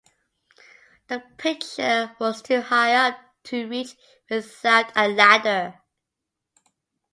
The picture was too high up to reach without a ladder.